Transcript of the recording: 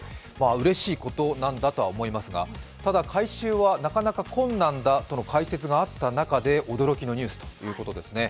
うれしいことなんだとは思いますがただ、回収はなかなか困難だという解説があった中で驚きのニュースということですね。